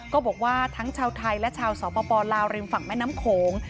ก็บอกว่าทั้งชาวไทยและชาวสปลาวริมฝั่งแม่น้ำโขง